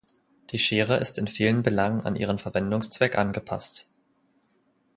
Die Schere ist in vielen Belangen an ihren Verwendungszweck angepasst.